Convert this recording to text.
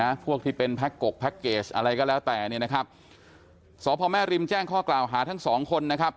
นะพวกที่เป็นอะไรก็แล้วแต่เนี้ยนะครับสอบพระแม่ริมแจ้งข้อกล่าวหาทั้งสองคนนะครับ